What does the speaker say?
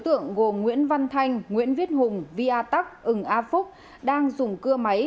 trưởng cục đăng kiểm nhân nguyễn văn thanh nguyễn viết hùng uy à tắc u ê ng à phúc đang dùng cưa máy